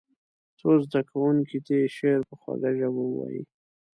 څو زده کوونکي دې شعر په خوږه ژبه ووایي.